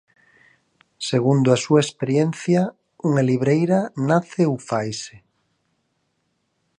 Segundo a súa experiencia, unha libreira nace ou faise?